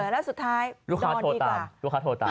แล้วสุดท้ายนอนดีกว่า